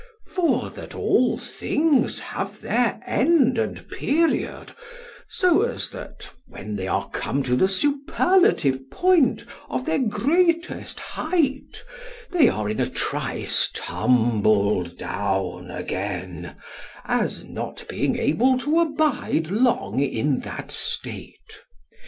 For that all things have their end and period, so as that, when they are come to the superlative point of their greatest height, they are in a trice tumbled down again, as not being able to abide long in that state.